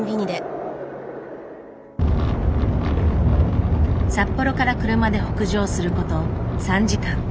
札幌から車で北上すること３時間。